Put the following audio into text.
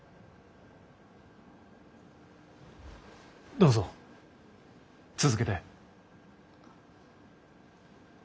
どうぞ続けて。